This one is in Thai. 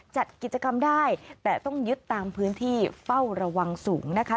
จัดกิจกรรมได้แต่ต้องยึดตามพื้นที่เฝ้าระวังสูงนะคะ